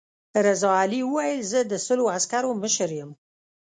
رضا علي وویل زه د سلو عسکرو مشر یم.